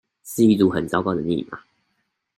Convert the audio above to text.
是一組很糟的密碼